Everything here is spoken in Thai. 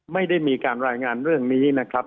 ไม่ได้มีการรายงานเรื่องนี้นะครับ